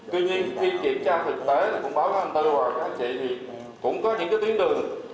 tuy nhiên khi kiểm tra thực tế cũng có những tuyến đường